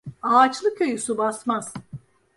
Ağaçlı köyü su basmaz.